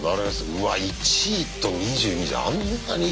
うわっ１位と２２位じゃあんなに違うの？